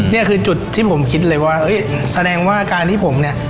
นี่คือจุดที่ผมคิดเลยว่าเฮ้ยแสดงว่าการที่ผมเนี่ย